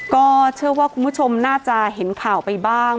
ก็เชื่อว่าคุณผู้ชมน่าจะเห็นข่าวไปบ้าง